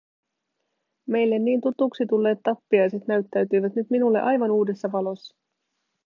Meille niin tutuksi tulleet tappiaiset näyttäytyivät nyt minulle aivan uudessa valossa.